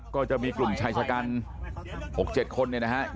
ก็จะมีกลุ่มชายชะกัน๖๗คนเนี่ยนะครับ